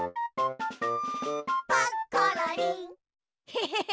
ヘヘヘ！